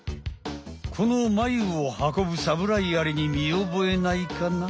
このマユを運ぶサムライアリに見おぼえないかな？